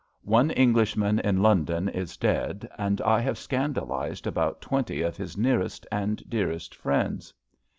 One ■ Englishman in London is dead, and I have scandalised about twenty of his nearest and dear est friends.